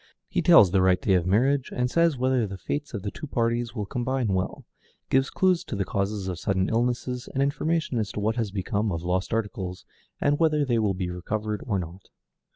He tells the right day of marriage, and says whether the fates of the two parties will combine well; gives clues to the causes of sudden illness, and information as to what has become of lost articles, and whether they will be recovered or not.